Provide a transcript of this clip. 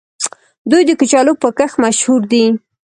دوی د کچالو په کښت مشهور دي.